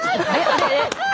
あれ？